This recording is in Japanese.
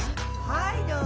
はいどうぞ！